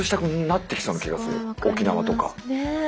沖縄とか。